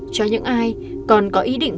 cho những ai còn có ý định